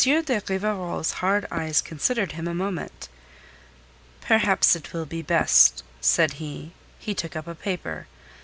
de Rivarol's hard eyes considered him a moment. "Perhaps it will be best," said he. He took up a paper.